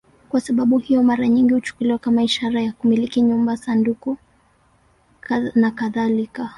Kwa sababu hiyo, mara nyingi huchukuliwa kama ishara ya kumiliki nyumba, sanduku nakadhalika.